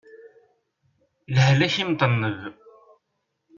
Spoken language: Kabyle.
Lehlak imṭenneb.